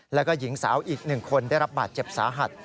แล้วก็หญิงสาวอีก๑คนได้รับบาดเจ็บสาหัส